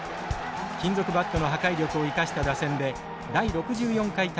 金属バットの破壊力を生かした打線で第６４回大会で優勝。